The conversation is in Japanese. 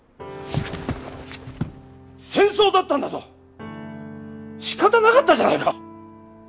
戦争だったんだぞしかたなかったじゃないか！